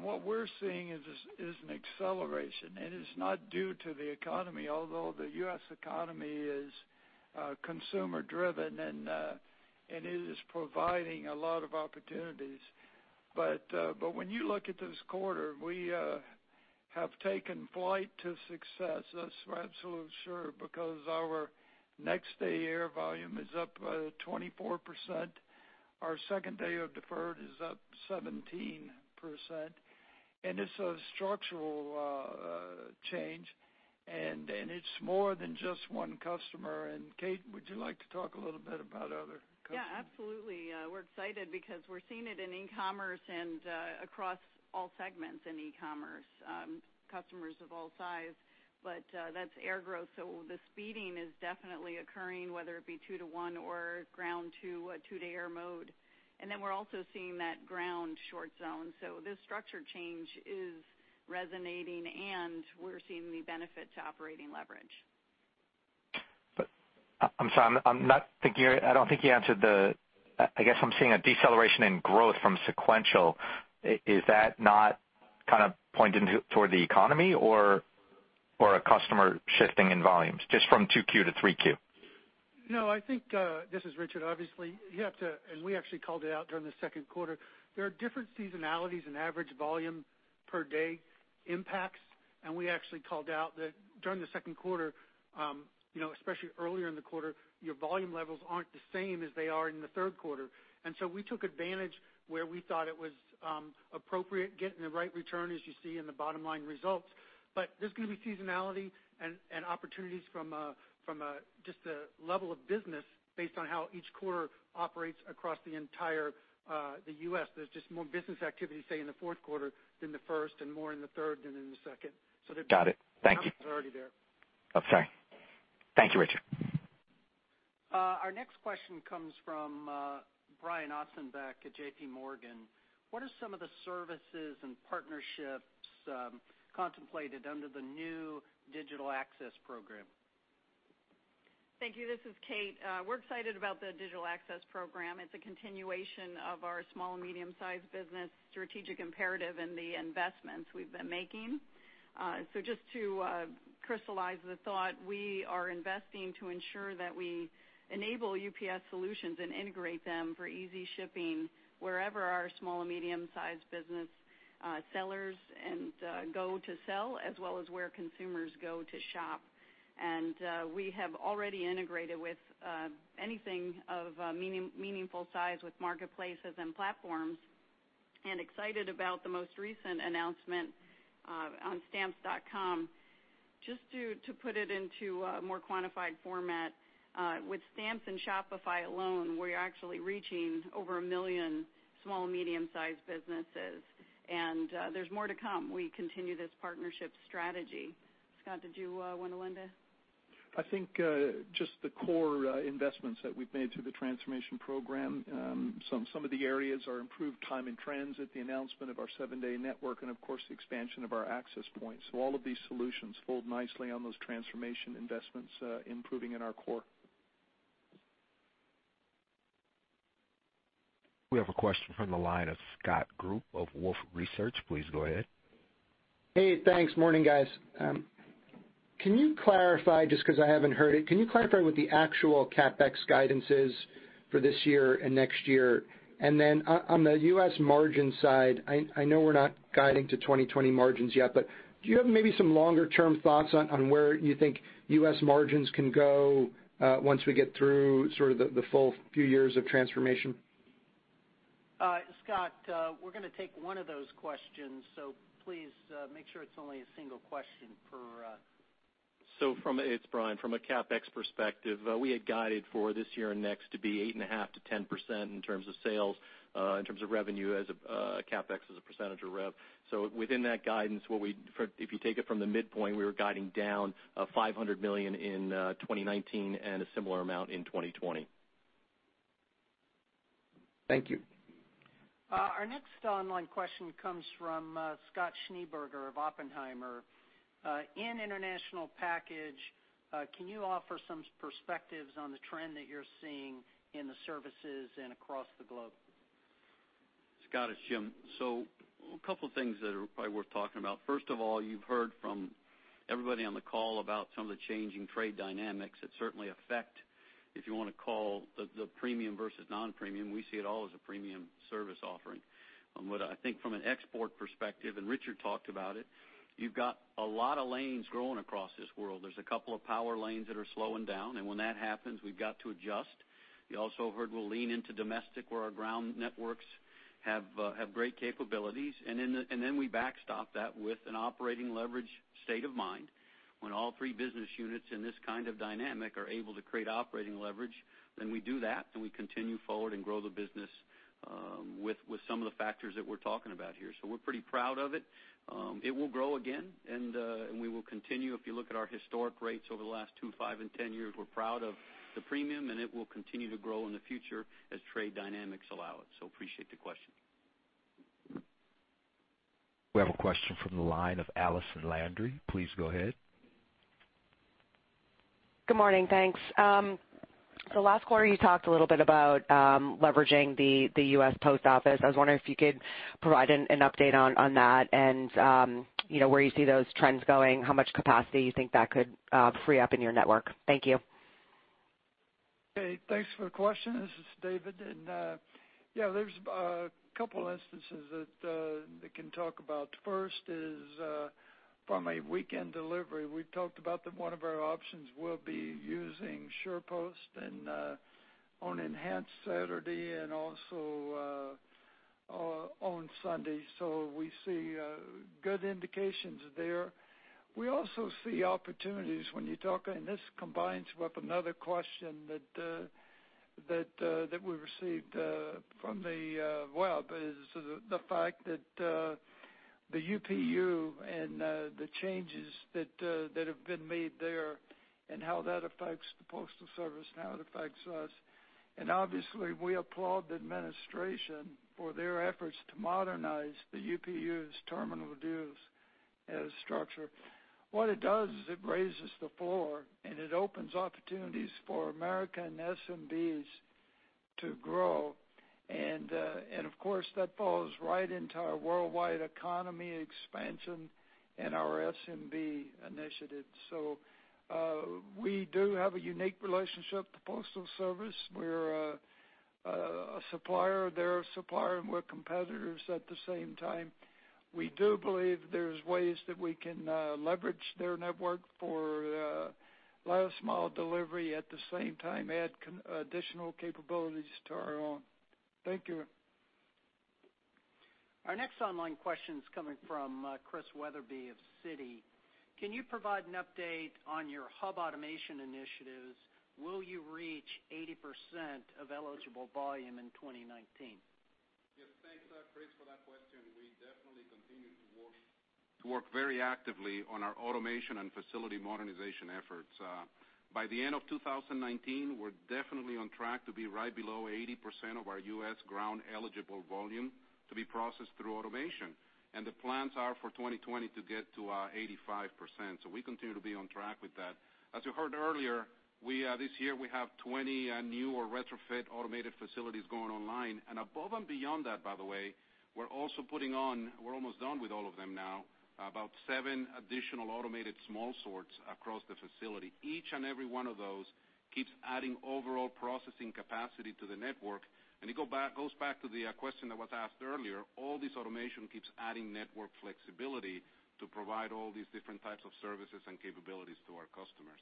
What we're seeing is an acceleration, and it's not due to the economy, although the U.S. economy is consumer driven, and it is providing a lot of opportunities. When you look at this quarter, we have taken flight to success, that's for absolute sure, because our Next Day Air volume is up by 24%. Our second day of deferred is up 17%, and it's a structural change, and it's more than just one customer. Kate, would you like to talk a little bit about other customers? Yeah, absolutely. We're excited because we're seeing it in e-commerce and across all segments in e-commerce, customers of all size. That's air growth, so the speeding is definitely occurring, whether it be 2 to 1 or ground to a two-day air mode. We're also seeing that ground short zone. This structure change is resonating, and we're seeing the benefit to operating leverage. I'm sorry, I don't think you answered the I guess I'm seeing a deceleration in growth from sequential. Is that not kind of pointing toward the economy or a customer shifting in volumes just from 2Q to 3Q? No, I think, this is Richard, obviously, and we actually called it out during the second quarter. There are different seasonalities and average volume per day impacts, and we actually called out that during the second quarter, especially earlier in the quarter, your volume levels aren't the same as they are in the third quarter. We took advantage where we thought it was appropriate, getting the right return, as you see in the bottom line results. There's going to be seasonality and opportunities from just the level of business based on how each quarter operates across the entire U.S. There's just more business activity, say, in the fourth quarter than the first and more in the third than in the second. Got it. Thank you. It's already there. Oh, sorry. Thank you, Richard. Our next question comes from Brian Ossenbeck at J.P. Morgan. What are some of the services and partnerships contemplated under the new UPS Digital Access Program? Thank you. This is Kate. We're excited about the UPS Digital Access Program. It's a continuation of our small and medium-sized business strategic imperative and the investments we've been making. Just to crystallize the thought, we are investing to ensure that we enable UPS solutions and integrate them for easy shipping wherever our small and medium-sized business sellers and go to sell, as well as where consumers go to shop. We have already integrated with anything of meaningful size with marketplaces and platforms and excited about the most recent announcement on Stamps.com. Just to put it into a more quantified format, with Stamps and Shopify alone, we're actually reaching over 1 million small and medium-sized businesses. There's more to come. We continue this partnership strategy. Scott, did you want to lend in? I think just the core investments that we've made through the transformation program. Some of the areas are improved time and transit, the announcement of our seven-day network, and of course, the expansion of our access points. All of these solutions fold nicely on those transformation investments improving in our core. We have a question from the line of Scott Group of Wolfe Research. Please go ahead. Hey, thanks. Morning, guys. Can you clarify, just because I haven't heard it, can you clarify what the actual CapEx guidance is for this year and next year? On the U.S. margin side, I know we're not guiding to 2020 margins yet, but do you have maybe some longer-term thoughts on where you think U.S. margins can go once we get through sort of the full few years of transformation? Scott, we're going to take one of those questions, so please make sure it's only a single question per. From, it's Brian, from a CapEx perspective, we had guided for this year and next to be 8.5%-10% in terms of sales, in terms of revenue as a CapEx as a percentage of rev. Within that guidance, if you take it from the midpoint, we were guiding down $500 million in 2019 and a similar amount in 2020. Thank you. Our next online question comes from Scott Schneeberger of Oppenheimer. In international package, can you offer some perspectives on the trend that you're seeing in the services and across the globe? Scott, it's Jim. A couple of things that are probably worth talking about. First of all, you've heard from everybody on the call about some of the changing trade dynamics that certainly affect, if you want to call the premium versus non-premium. We see it all as a premium service offering. I think from an export perspective, and Richard talked about it, you've got a lot of lanes growing across this world. There's a couple of power lanes that are slowing down, and when that happens, we've got to adjust. You also heard we'll lean into domestic where our Ground networks have great capabilities, and then we backstop that with an operating leverage state of mind. When all three business units in this kind of dynamic are able to create operating leverage, then we do that, and we continue forward and grow the business with some of the factors that we're talking about here. We're pretty proud of it. It will grow again, and we will continue. If you look at our historic rates over the last two, five, and 10 years, we're proud of the premium, and it will continue to grow in the future as trade dynamics allow it. Appreciate the question. We have a question from the line of Allison Landry. Please go ahead. Good morning. Thanks. Last quarter, you talked a little bit about leveraging the U.S. Post Office. I was wondering if you could provide an update on that and where you see those trends going, how much capacity you think that could free up in your network. Thank you. Okay, thanks for the question. This is David. Yeah, there's a couple instances that I can talk about. First is from a weekend delivery. We talked about that one of our options will be using UPS SurePost and on enhanced Saturday and also on Sunday. We see good indications there. We also see opportunities when you talk, and this combines with another question that we received from the web, is the fact that the UPU and the changes that have been made there and how that affects the Postal Service and how it affects us. Obviously, we applaud the administration for their efforts to modernize the UPU's terminal dues structure. What it does is it raises the floor, and it opens opportunities for American SMBs to grow. Of course, that falls right into our UPS Worldwide Economy expansion and our SMB initiatives. We do have a unique relationship with the Postal Service. We're a supplier, they're a supplier, and we're competitors at the same time. We do believe there's ways that we can leverage their network for last mile delivery, at the same time, add additional capabilities to our own. Thank you. Our next online question is coming from Chris Wetherbee of Citi. Can you provide an update on your hub automation initiatives? Will you reach 80% of eligible volume in 2019? Yes, thanks, Chris, for that question. We definitely continue to work very actively on our automation and facility modernization efforts. By the end of 2019, we're definitely on track to be right below 80% of our U.S. ground-eligible volume to be processed through automation. The plans are for 2020 to get to 85%. We continue to be on track with that. As you heard earlier, this year, we have 20 new or retrofit automated facilities going online. Above and beyond that, by the way, we're also putting on, we're almost done with all of them now, about seven additional automated small sorts across the facility. Each and every one of those keeps adding overall processing capacity to the network. It goes back to the question that was asked earlier. All this automation keeps adding network flexibility to provide all these different types of services and capabilities to our customers.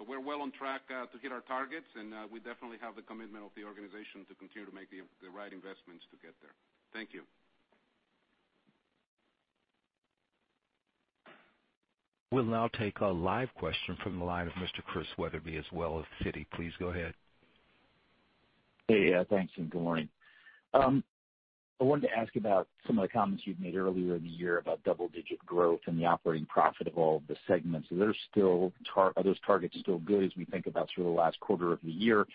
We're well on track to hit our targets, and we definitely have the commitment of the organization to continue to make the right investments to get there. Thank you. We'll now take a live question from the line of Mr. Chris Wetherbee as well of Citi. Please go ahead. Hey, thanks and good morning. I wanted to ask about some of the comments you've made earlier in the year about double-digit growth and the operating profit of all of the segments. Are those targets still good as we think about through the last quarter of the year?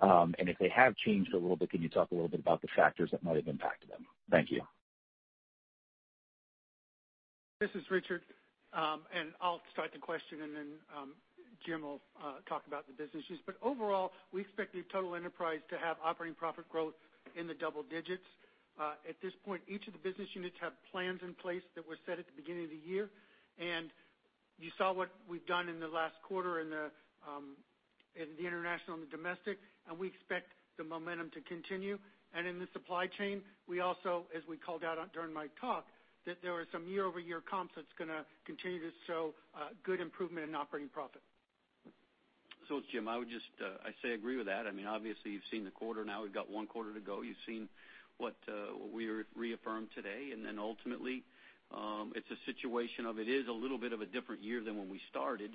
If they have changed a little bit, can you talk a little bit about the factors that might have impacted them? Thank you. This is Richard, and I'll start the question, and then Jim will talk about the business issues. Overall, we expect the total enterprise to have operating profit growth in the double digits. At this point, each of the business units have plans in place that were set at the beginning of the year. You saw what we've done in the last quarter in the international and the domestic, and we expect the momentum to continue. In the supply chain, we also, as we called out during my talk, that there are some year-over-year comps that's going to continue to show good improvement in operating profit. Jim, I would just say I agree with that. Obviously, you've seen the quarter now. We've got one quarter to go. You've seen what we reaffirmed today. Ultimately, it's a situation of it is a little bit of a different year than when we started.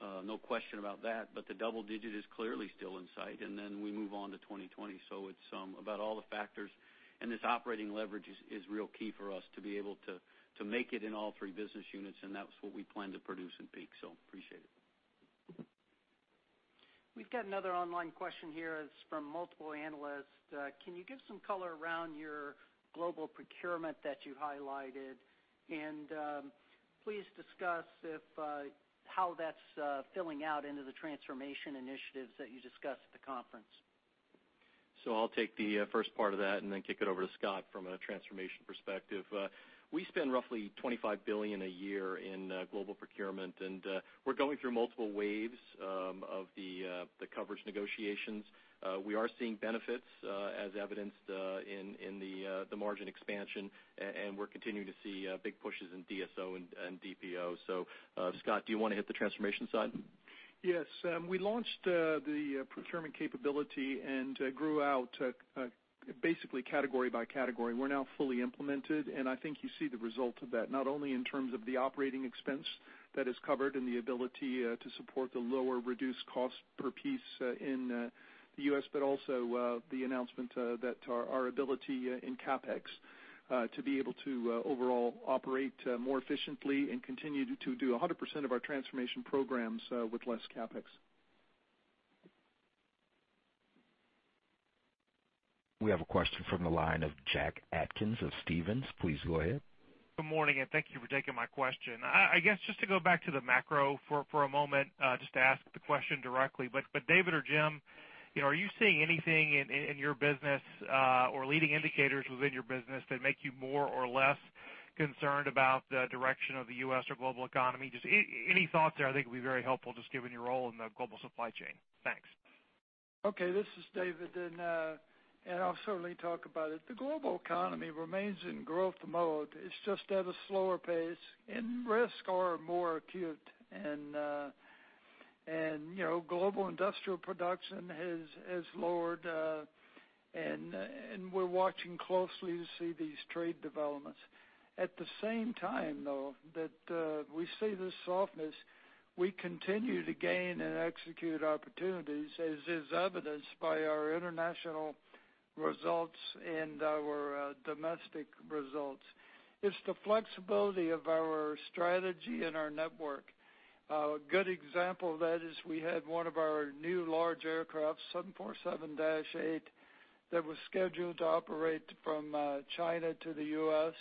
No question about that. The double-digit is clearly still in sight, and then we move on to 2020. It's about all the factors. This operating leverage is real key for us to be able to make it in all three business units, and that's what we plan to produce in peak. Appreciate it. We've got another online question here. It's from multiple analysts. Can you give some color around your global procurement that you highlighted? Please discuss how that's filling out into the transformation initiatives that you discussed at the conference? I'll take the first part of that and then kick it over to Scott from a transformation perspective. We spend roughly $25 billion a year in global procurement, and we're going through multiple waves of the coverage negotiations. We are seeing benefits as evidenced in the margin expansion, and we're continuing to see big pushes in DSO and DPO. Scott, do you want to hit the transformation side? Yes. We launched the procurement capability and grew out basically category by category. We are now fully implemented. I think you see the result of that, not only in terms of the operating expense that is covered and the ability to support the lower reduced cost per piece in the U.S., but also the announcement that our ability in CapEx to be able to overall operate more efficiently and continue to do 100% of our transformation programs with less CapEx. We have a question from the line of Jack Atkins of Stephens. Please go ahead. Good morning. Thank you for taking my question. I guess, just to go back to the macro for a moment, just to ask the question directly. David or Jim, are you seeing anything in your business or leading indicators within your business that make you more or less concerned about the direction of the U.S. or global economy. Just any thoughts there, I think, will be very helpful just given your role in the global supply chain. Thanks. Okay. This is David. I'll certainly talk about it. The global economy remains in growth mode. It's just at a slower pace. Risks are more acute. Global industrial production has lowered, and we're watching closely to see these trade developments. At the same time, though, that we see this softness, we continue to gain and execute opportunities as is evidenced by our international results and our domestic results. It's the flexibility of our strategy and our network. A good example of that is we had one of our new large aircrafts, 747-8, that was scheduled to operate from China to the U.S.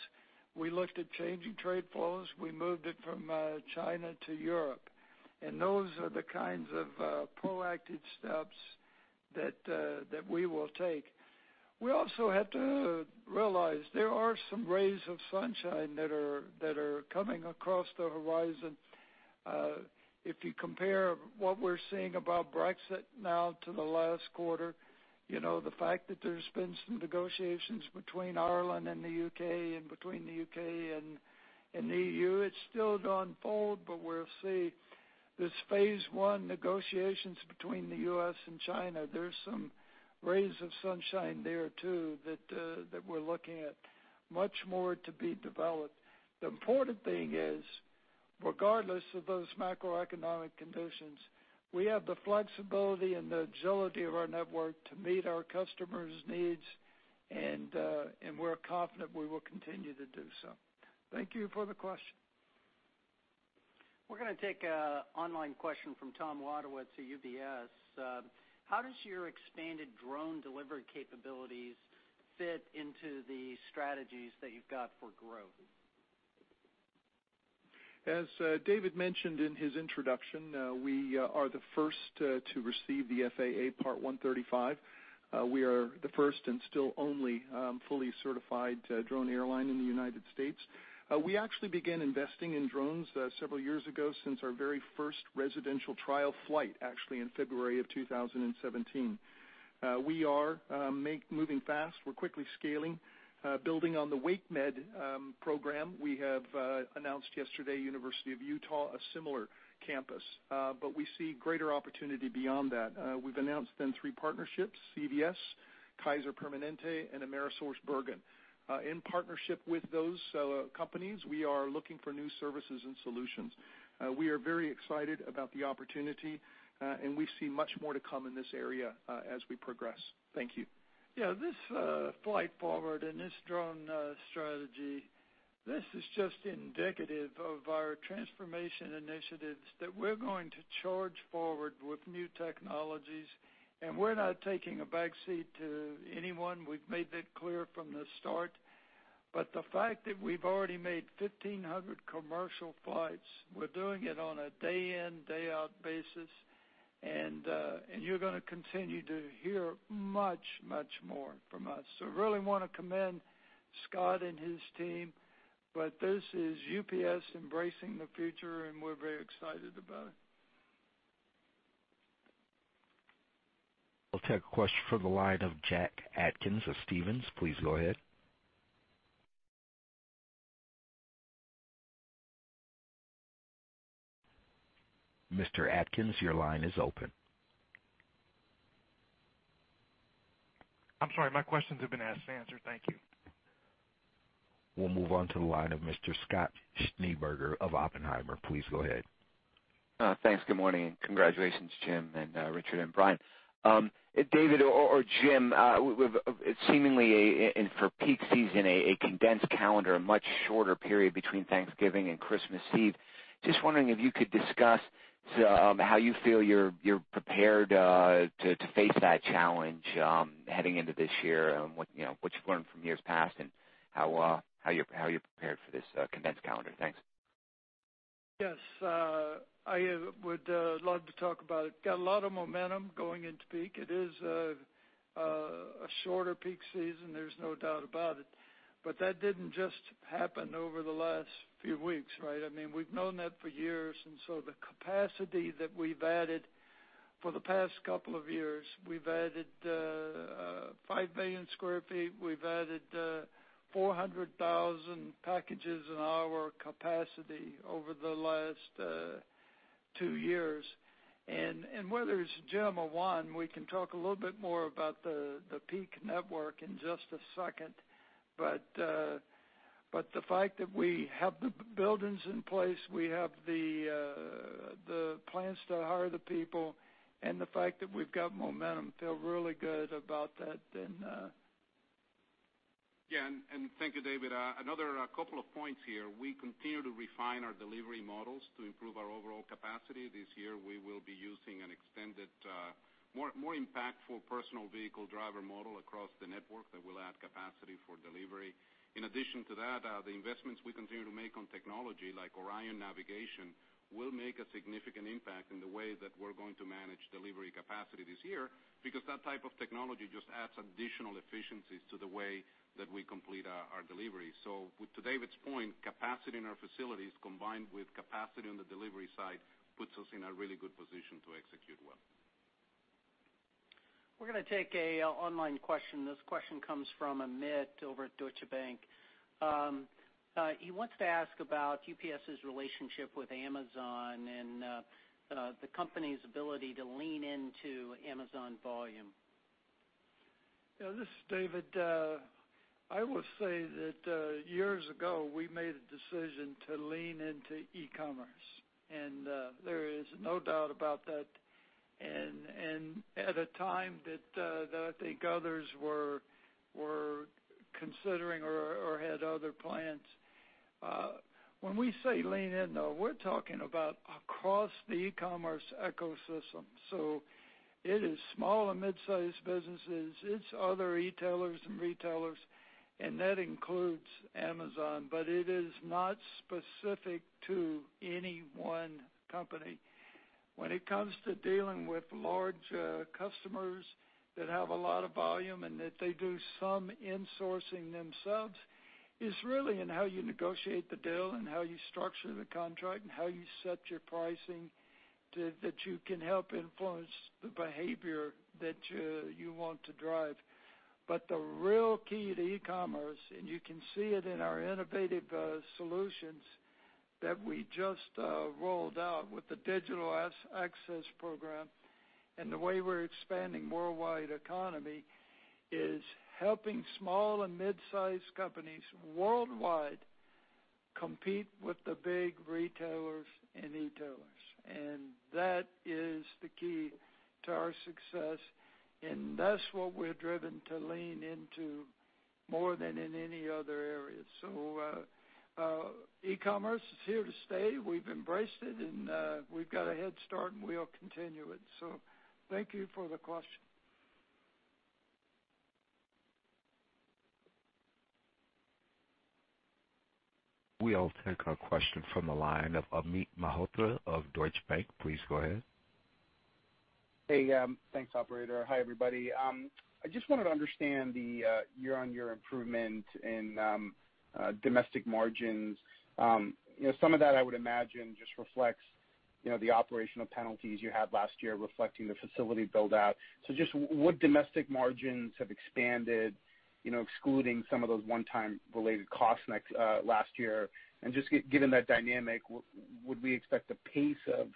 We looked at changing trade flows. We moved it from China to Europe. Those are the kinds of proactive steps that we will take. We also have to realize there are some rays of sunshine that are coming across the horizon. If you compare what we're seeing about Brexit now to the last quarter, the fact that there's been some negotiations between Ireland and the U.K. and between the U.K. and EU, it's still going to unfold, but we'll see. This phase 1 negotiations between the U.S. and China, there's some rays of sunshine there, too, that we're looking at much more to be developed. The important thing is, regardless of those macroeconomic conditions, we have the flexibility and the agility of our network to meet our customers' needs, and we're confident we will continue to do so. Thank you for the question. We're going to take an online question from Tom Wadewitz, at UBS. How does your expanded drone delivery capabilities fit into the strategies that you've got for growth? As David mentioned in his introduction, we are the first to receive the FAA Part 135. We are the first and still only fully certified drone airline in the U.S. We actually began investing in drones several years ago, since our very first residential trial flight, actually in February of 2017. We are moving fast. We are quickly scaling. Building on the WakeMed program, we have announced yesterday, University of Utah, a similar campus. We see greater opportunity beyond that. We have announced then three partnerships, CVS, Kaiser Permanente, and AmerisourceBergen. In partnership with those companies, we are looking for new services and solutions. We are very excited about the opportunity, and we see much more to come in this area as we progress. Thank you. Yeah, this Flight Forward and this drone strategy, this is just indicative of our transformation initiatives that we're going to charge forward with new technologies, and we're not taking a back seat to anyone. We've made that clear from the start. The fact that we've already made 1,500 commercial flights, we're doing it on a day in, day out basis, and you're going to continue to hear much more from us. Really want to commend Scott and his team, but this is UPS embracing the future, and we're very excited about it. We'll take a question from the line of Jack Atkins of Stephens. Please go ahead. Mr. Atkins, your line is open. I'm sorry. My questions have been asked and answered. Thank you. We'll move on to the line of Mr. Scott Schneeberger of Oppenheimer. Please go ahead. Thanks. Good morning, and congratulations, Jim and Richard and Brian. David or Jim, seemingly, for peak season, a condensed calendar, a much shorter period between Thanksgiving and Christmas Eve. Just wondering if you could discuss how you feel you're prepared to face that challenge heading into this year, what you've learned from years past and how you're prepared for this condensed calendar. Thanks. Yes. I would love to talk about it. Got a lot of momentum going into peak. It is a shorter peak season, there's no doubt about it. That didn't just happen over the last few weeks, right? We've known that for years, the capacity that we've added for the past couple of years, we've added 5 million square feet. We've added 400,000 packages an hour capacity over the last two years. Whether it's Jim or Juan, we can talk a little bit more about the peak network in just a second. The fact that we have the buildings in place, we have the plans to hire the people, and the fact that we've got momentum, feel really good about that. Thank you, David. Another couple of points here. We continue to refine our delivery models to improve our overall capacity. This year, we will be using an extended, more impactful personal vehicle driver model across the network that will add capacity for delivery. In addition to that, the investments we continue to make on technology like ORION navigation will make a significant impact in the way that we're going to manage delivery capacity this year because that type of technology just adds additional efficiencies to the way that we complete our delivery. To David's point, capacity in our facilities, combined with capacity on the delivery side, puts us in a really good position to execute well. We're going to take an online question. This question comes from Amit over at Deutsche Bank. He wants to ask about UPS's relationship with Amazon and the company's ability to lean into Amazon volume. This is David. I will say that years ago, we made a decision to lean into e-commerce, and there is no doubt about that, and at a time that I think others were considering or had other plans. When we say lean in, though, we're talking about across the e-commerce ecosystem. It is small and mid-sized businesses, it's other e-tailers and retailers, and that includes Amazon, but it is not specific to any one company. When it comes to dealing with large customers that have a lot of volume and that they do some insourcing themselves, it's really in how you negotiate the deal and how you structure the contract and how you set your pricing that you can help influence the behavior that you want to drive. The real key to e-commerce, and you can see it in our innovative solutions that we just rolled out with the UPS Digital Access Program and the way we're expanding UPS Worldwide Economy, is helping small and mid-size companies worldwide compete with the big retailers and e-tailers. That is the key to our success, and that's what we're driven to lean into more than in any other area. E-commerce is here to stay. We've embraced it and we've got a head start, and we'll continue it. Thank you for the question. We'll take a question from the line of Amit Mehrotra of Deutsche Bank. Please go ahead. Hey. Thanks, operator. Hi, everybody. I just wanted to understand the year-on-year improvement in domestic margins. Some of that, I would imagine, just reflects the operational penalties you had last year reflecting the facility build-out. Just would domestic margins have expanded, excluding some of those one-time related costs last year? Just given that dynamic, would we expect the pace of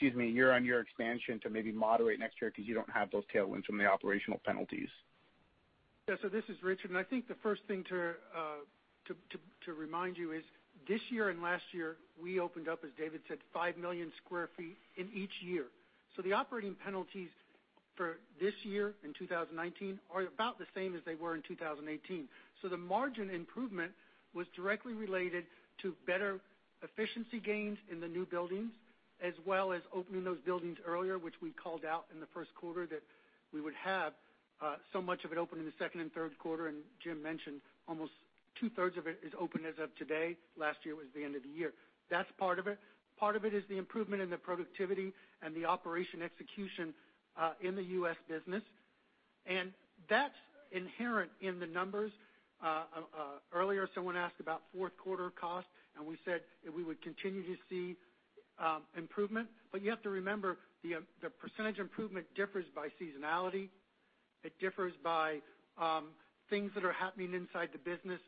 year-on-year expansion to maybe moderate next year because you don't have those tailwinds from the operational penalties? Yeah. This is Richard. I think the first thing to remind you is this year and last year, we opened up, as David said, 5 million square feet in each year. The operating penalties for this year in 2019 are about the same as they were in 2018. The margin improvement was directly related to better efficiency gains in the new buildings, as well as opening those buildings earlier, which we called out in the first quarter that we would have so much of it open in the second and third quarter, and Jim mentioned almost two-thirds of it is open as of today. Last year, it was the end of the year. That's part of it. Part of it is the improvement in the productivity and the operation execution in the U.S. business, that's inherent in the numbers. Earlier, someone asked about fourth quarter costs, and we said that we would continue to see improvement. You have to remember, the % improvement differs by seasonality. It differs by things that are happening inside the business,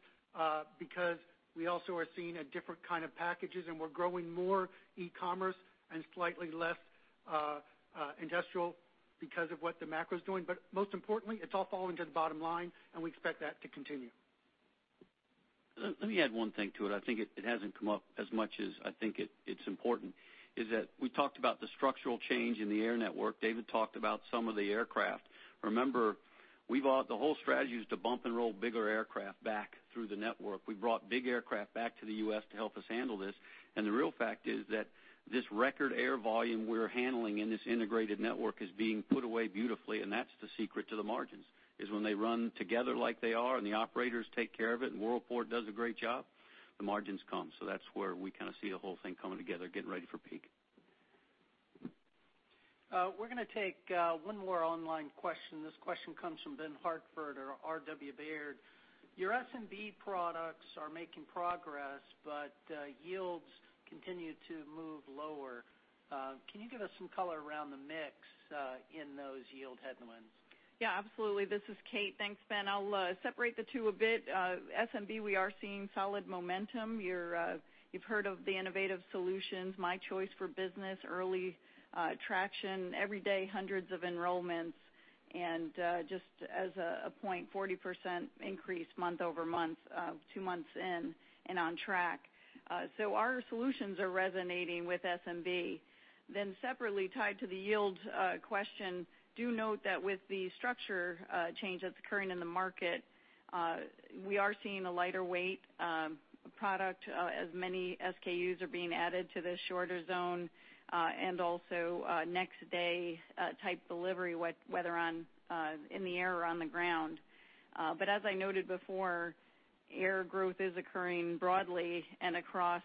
because we also are seeing a different kind of packages, and we're growing more e-commerce and slightly less industrial because of what the macro's doing. Most importantly, it's all falling to the bottom line, and we expect that to continue. Let me add one thing to it. I think it hasn't come up as much as I think it's important, is that we talked about the structural change in the air network. David talked about some of the aircraft. Remember, the whole strategy is to bump and roll bigger aircraft back through the network. We brought big aircraft back to the U.S. to help us handle this. The real fact is that this record air volume we're handling in this integrated network is being put away beautifully, and that's the secret to the margins, is when they run together like they are and the operators take care of it and Worldport does a great job, the margins come. That's where we kind of see the whole thing coming together, getting ready for peak. We're going to take one more online question. This question comes from Ben Hartford of RW Baird. Your SMB products are making progress, but yields continue to move lower. Can you give us some color around the mix in those yield headwinds? Yeah, absolutely. This is Kate. Thanks, Ben. SMB, we are seeing solid momentum. You've heard of the innovative solutions, My Choice for Business, early traction, every day, hundreds of enrollments. Just as a point, 40% increase month-over-month, two months in and on track. Our solutions are resonating with SMB. Separately tied to the yield question, do note that with the structure change that's occurring in the market, we are seeing a lighter weight product as many SKUs are being added to the shorter zone and also next-day type delivery, whether in the air or on the ground. As I noted before, air growth is occurring broadly and across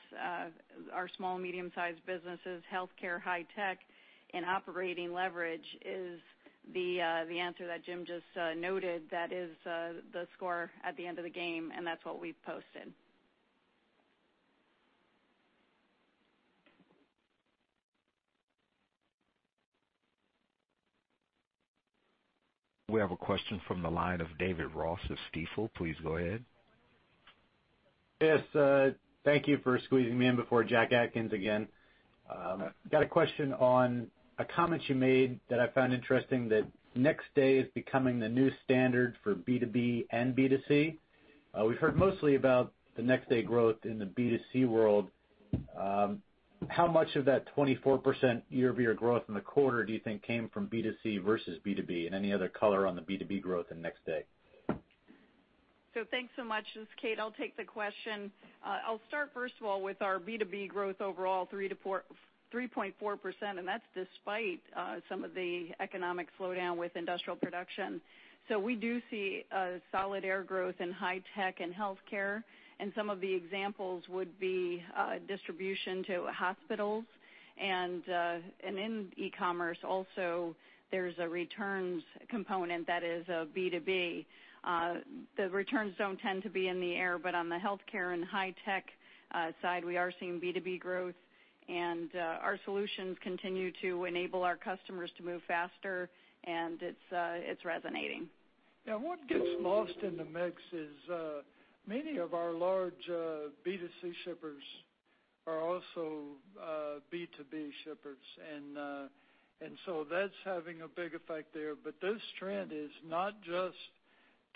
our small, medium-sized businesses, healthcare, high tech, and operating leverage is the answer that Jim just noted. That is the score at the end of the game, and that's what we've posted. We have a question from the line of David Ross of Stifel. Please go ahead. Thank you for squeezing me in before Jack Atkins again. I have a question on a comment you made that I found interesting, that next day is becoming the new standard for B2B and B2C. We've heard mostly about the next day growth in the B2C world. How much of that 24% year-over-year growth in the quarter do you think came from B2C versus B2B, and any other color on the B2B growth in next day? Thanks so much. This is Kate, I'll take the question. I'll start first of all with our B2B growth overall, 3.4%, and that's despite some of the economic slowdown with industrial production. We do see a solid air growth in high tech and healthcare, and some of the examples would be distribution to hospitals and in e-commerce also, there's a returns component that is B2B. The returns don't tend to be in the air. On the healthcare and high tech side, we are seeing B2B growth. Our solutions continue to enable our customers to move faster and it's resonating. Yeah. What gets lost in the mix is many of our large B2C shippers are also B2B shippers, and so that's having a big effect there. This trend is not just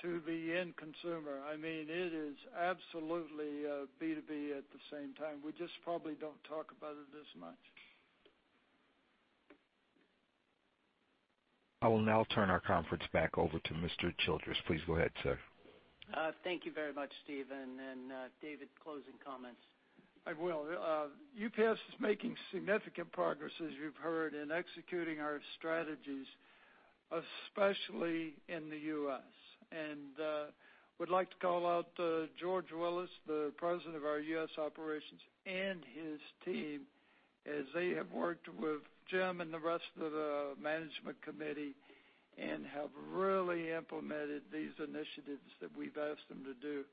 to the end consumer. It is absolutely B2B at the same time. We just probably don't talk about it as much. I will now turn our conference back over to Mr. Childress. Please go ahead, sir. Thank you very much, Steve. David, closing comments. I will. UPS is making significant progress, as you've heard, in executing our strategies, especially in the U.S. Would like to call out George Willis, the President of our U.S. Operations, and his team, as they have worked with Jim and the rest of the management committee and have really implemented these Transformation Initiatives that we've asked them to do.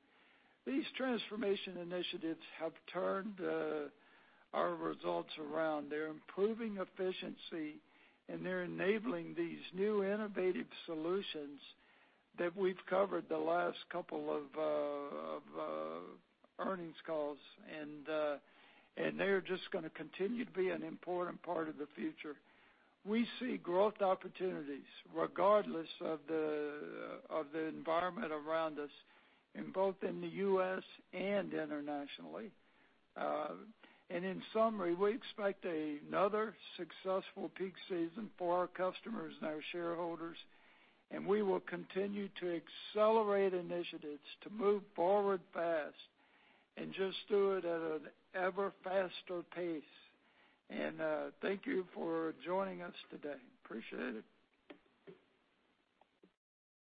These Transformation Initiatives have turned our results around. They're improving efficiency, and they're enabling these new innovative solutions that we've covered the last couple of earnings calls. They're just going to continue to be an important part of the future. We see growth opportunities regardless of the environment around us, in both in the U.S. and internationally. In summary, we expect another successful peak season for our customers and our shareholders, and we will continue to accelerate initiatives to move forward fast and just do it at an ever faster pace. Thank you for joining us today. Appreciate it.